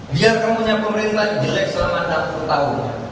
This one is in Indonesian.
biar kamu punya pemerintah yang jelek selama tiga puluh tahun